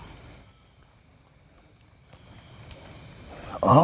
ini pakan kuda raden walang sung sang